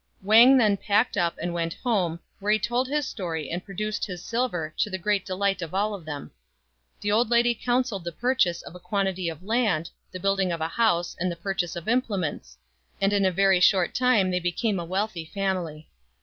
Wang then packed up and went home, where he told his story and produced his silver to the great delight of all of them. The old lady counselled the purchase of a quantity of land, the building of a house, and the purchase of im plements; and in a very short time they became a wealthy family.